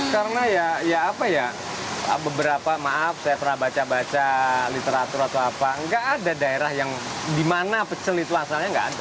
karena ya apa ya beberapa maaf saya pernah baca baca literatur atau apa gak ada daerah yang dimana pecel itu asalnya gak ada